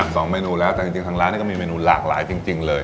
สองเมนูแล้วแต่จริงทางร้านเนี่ยก็มีเมนูหลากหลายจริงเลย